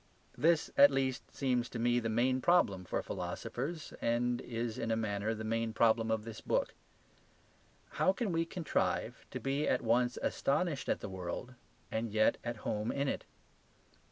This at least seems to me the main problem for philosophers, and is in a manner the main problem of this book. How can we contrive to be at once astonished at the world and yet at home in it?